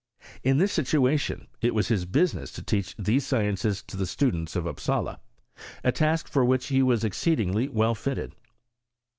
In this situation it was his business to teach these sciences to the students of Upsala, a task for which he was exceedingly w^ fitted.